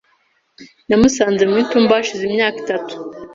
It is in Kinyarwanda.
Namusanze mu itumba hashize imyaka itatu .